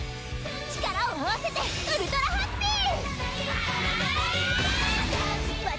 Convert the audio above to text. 力を合わせてウルトラハッピー！